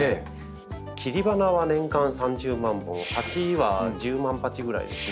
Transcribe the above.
切り花は年間３０万本鉢は１０万鉢ぐらいですね。